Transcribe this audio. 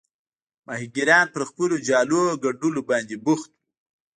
ماهیګیران پر خپلو جالونو ګنډلو باندې بوخت وو.